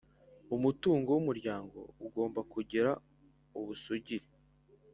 Umutungo w umuryango ugomba kugira ubusugire